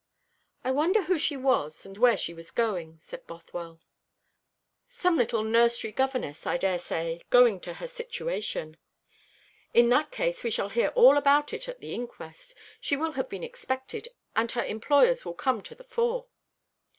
"I wonder who she was, and where she was going?" said Bothwell. "Some little nursery governess, I daresay, going to her situation." "In that case we shall hear all about her at the inquest. She will have been expected, and her employers will come to the fore."